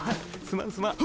すまんすまん。